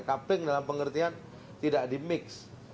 kaping dalam pengertian tidak di mix